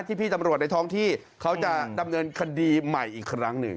พี่ตำรวจในท้องที่เขาจะดำเนินคดีใหม่อีกครั้งหนึ่ง